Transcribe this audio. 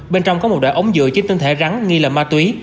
bên trong có một đoạn ống dựa trên tinh thể rắn nghi là ma túy